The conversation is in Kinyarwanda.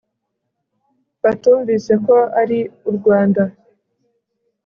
batumvise ko ari u rwanda